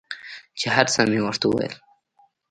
چې هر څه مې ورته وويل.